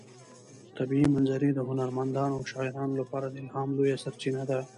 طبیعي منظرې د هنرمندانو او شاعرانو لپاره د الهام لویه سرچینه ده.